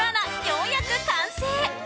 ようやく完成。